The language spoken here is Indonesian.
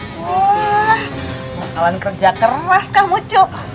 wah mau kawan kerja keras kamu cuk